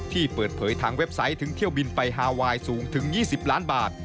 ที่เปิดเผยทางเว็บไซต์ถึงเที่ยวบินไปฮาไวน์สูงถึง๒๐ล้านบาท